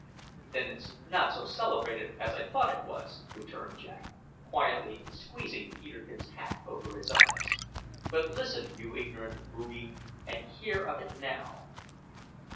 "Then it's not so celebrated as I thought it was," returned Jack, quietly squeezing Peterkin's hat over his eyes; "but listen, you ignorant boobie! and hear of it now."